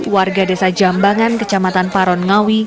warga desa jambangan kecamatan paron ngawi